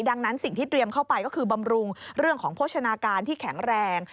ดังนั้นสิ่งที่เตรียมเข้าไปก็คือบำรุงเรื่องของโภชนาการที่แข็งแรง